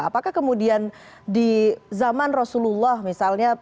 apakah kemudian di zaman rasulullah misalnya